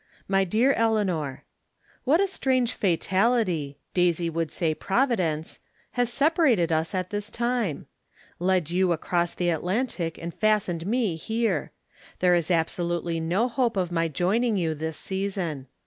My Dear Eleanor : What a strange fatality — Daisy would say " providence "— has separated us at this time !— led you across the Atlantic and fastened me here. There is absolutely no hope of my joining you tliis season.